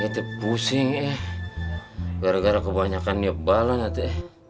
itu pusing ya gara gara kebanyakan nyebalan hati